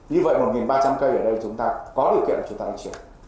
như vậy một ba trăm linh cây ở đây chúng ta có điều kiện là chúng ta đánh chuyển